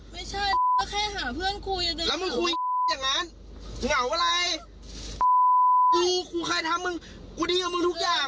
แป๊ปแค่หาเพื่อนคุยจะนุ่มอ้อนถึงง่าวเวลาทำ